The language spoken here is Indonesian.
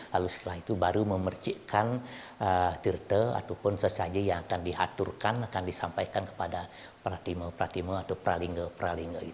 lalu setelah itu baru memercikkan tirte atau sesajian yang akan diaturkan akan disampaikan kepada pratimo atau pralinga